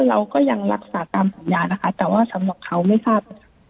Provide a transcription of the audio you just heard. เราก็ยังรักษาตามสัญญานะคะแต่ว่าสำหรับเขาไม่ทราบ